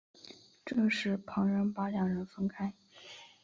这时旁人把两人分开了。